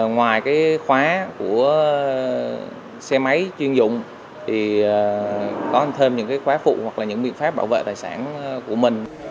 ngoài cái khóa của xe máy chuyên dụng thì có thêm những khóa phụ hoặc là những biện pháp bảo vệ tài sản của mình